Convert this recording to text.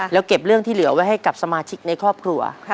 แล้วเก็บเรื่องที่เหลือไว้ให้กับสมาชิกในครอบครัว